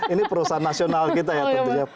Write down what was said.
ini perusahaan nasional kita ya tentunya